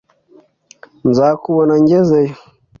Nzakubona ngezeyo